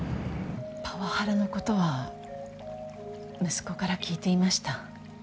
パワハラのことは息子から聞いていました。